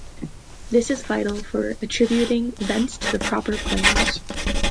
This is vital for attributing events to the proper players.